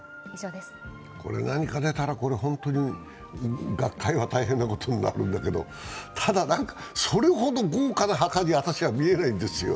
これ何か出たら本当に学会は大変なことになるんだけど、ただ、それほど豪華な墓に私は見えないんですよ。